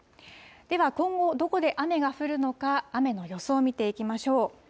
では今後、どこで雨が降るのか、雨の予想見ていきましょう。